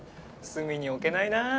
隅に置けないな。